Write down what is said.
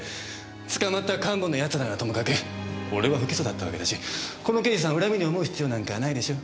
捕まった幹部の奴らならともかく俺は不起訴だったわけだしこの刑事さんを恨みに思う必要なんかないでしょ。